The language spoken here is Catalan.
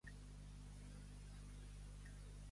Els d'Anglès, anglesos.